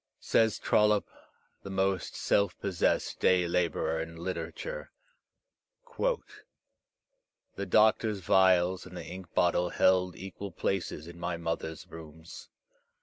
Says Trollope, the most self possessed day labourer in literature, "The doctor's vials and the ink bottle held equal places in my mother's rooms.